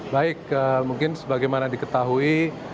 baik mungkin sebagaimana diketahui